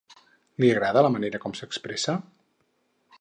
Li agrada la manera com s'expressa?